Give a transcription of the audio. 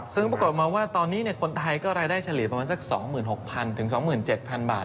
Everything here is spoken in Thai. ซึ่งปรากฏมาว่าตอนนี้คนไทยก็รายได้เฉลี่ยประมาณสัก๒๖๐๐๒๗๐๐บาท